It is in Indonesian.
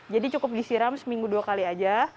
cukup disiram seminggu dua kali aja